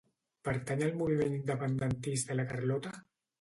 Pertany al moviment independentista la Carlota?